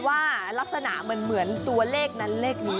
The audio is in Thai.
ว่าลักษณะเหมือนตัวเลขนั้นเลขนี้